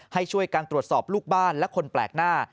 ให้ช่วยการตรวจสอบลูกบ้านและคนแปลกหน้า